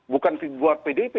bukan buat pdip